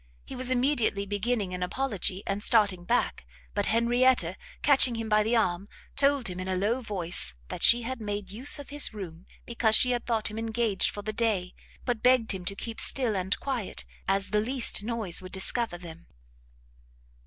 He was immediately beginning an apology, and starting back, but Henrietta catching him by the arm, told him in a low voice, that she had made use of his room because she had thought him engaged for the day, but begged him to keep still and quiet, as the least noise would discover them.